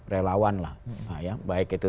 relawan lah baik itu